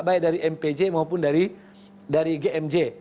baik dari mpj maupun dari gmj